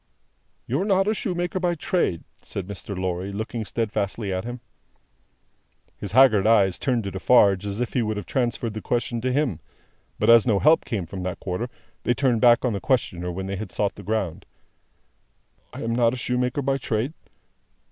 "You are not a shoemaker by trade?" said Mr. Lorry, looking steadfastly at him. His haggard eyes turned to Defarge as if he would have transferred the question to him: but as no help came from that quarter, they turned back on the questioner when they had sought the ground. "I am not a shoemaker by trade?